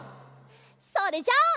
それじゃあ。